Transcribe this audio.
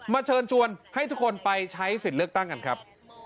เชิญชวนให้ทุกคนไปใช้สิทธิ์เลือกตั้งกันครับ